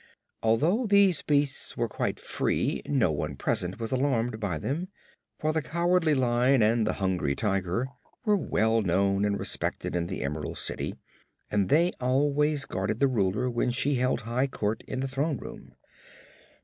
Although these beasts were quite free, no one present was alarmed by them; for the Cowardly Lion and the Hungry Tiger were well known and respected in the Emerald City and they always guarded the Ruler when she held high court in the Throne Room.